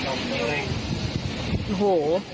โอ้โห